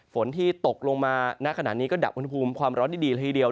ฝนที่ตกลงมาณขณะนี้ก็ดับอุณหภูมิความร้อนได้ดีละทีเดียว